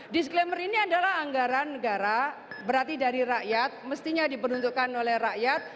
disclaimer ini adalah anggaran negara berarti dari rakyat mestinya diperuntukkan oleh rakyat